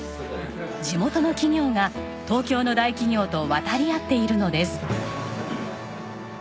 地元の企業が東京の大企業と渡り合っているのです。